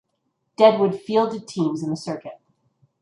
Deadwood fielded teams in the circuit.